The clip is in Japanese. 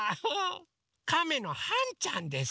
カメのはんちゃんです。